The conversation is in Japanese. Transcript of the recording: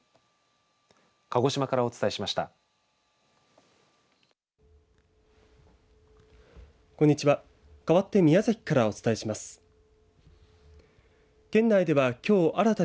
鹿児島からお伝えしました。